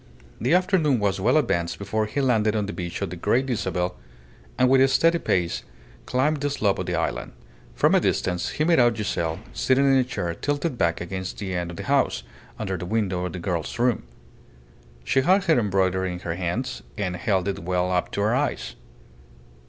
The afternoon was well advanced before he landed on the beach of the Great Isabel, and with a steady pace climbed the slope of the island. From a distance he made out Giselle sitting in a chair tilted back against the end of the house, under the window of the girl's room. She had her embroidery in her hands, and held it well up to her eyes.